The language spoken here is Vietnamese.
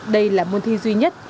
đây là môn thi duy nhất